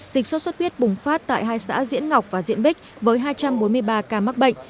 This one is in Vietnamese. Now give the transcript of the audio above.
dịch sốt xuất huyết bùng phát tại hai xã diễn ngọc và diễn bích với hai trăm bốn mươi ba ca mắc bệnh